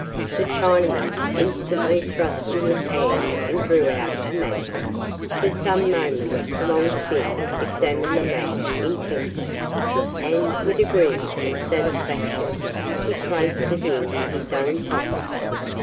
The Chinaman instantly thrust in his hand and drew out a map. For some moments Long Sin examined the map intently, and, with a grin of satisfaction, he placed it in his own pocket.